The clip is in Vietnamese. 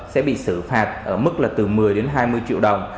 sẽ bị xử phạt ở mức là từ một mươi đến hai mươi triệu đồng